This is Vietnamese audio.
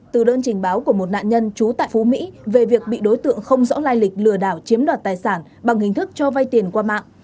từ đơn trình báo của một nạn nhân trú tại phú mỹ về việc bị đối tượng không rõ lai lịch lừa đảo chiếm đoạt tài sản bằng hình thức cho vay tiền qua mạng